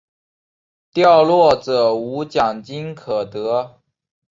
掉落者无奖金可得。